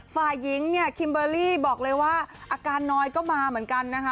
ฝ่ายหญิงเนี่ยคิมเบอร์รี่บอกเลยว่าอาการน้อยก็มาเหมือนกันนะคะ